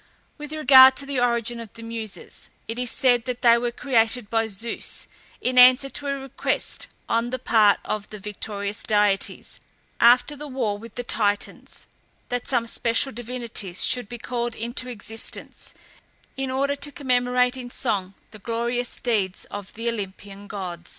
] With regard to the origin of the Muses, it is said that they were created by Zeus in answer to a request on the part of the victorious deities, after the war with the Titans, that some special divinities should be called into existence, in order to commemorate in song the glorious deeds of the Olympian gods.